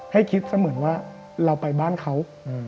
ให้คิดเสมือนว่าเราไปบ้านเขา